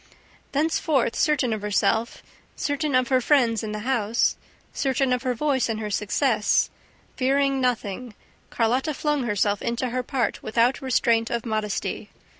..." Thenceforth, certain of herself, certain of her friends in the house, certain of her voice and her success, fearing nothing, Carlotta flung herself into her part without restraint of modesty